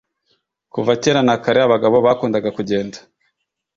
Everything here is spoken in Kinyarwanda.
Kuva kera na kare abagabo bakundaga kugenda